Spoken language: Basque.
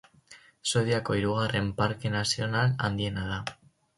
Suediako hirugarren Parke Nazional handiena da.